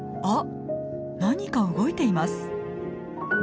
何か動いています。